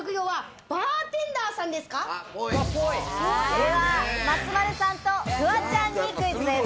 では松丸さんとフワちゃんにクイズです。